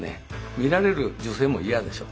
見られる女性も嫌でしょ。